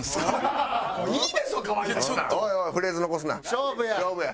勝負や。